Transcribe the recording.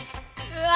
うわ